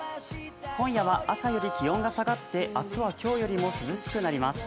今夜は朝より気温が下がって明日は今日よりも涼しくなります。